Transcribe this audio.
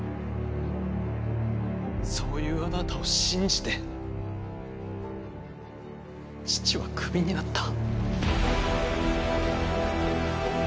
そういうあなたを信じて父はクビになった！